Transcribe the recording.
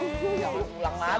ya udah pulang lagi